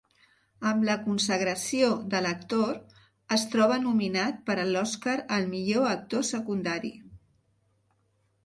Amb la consagració de l'actor, es troba nominat per a l'Oscar al millor actor secundari.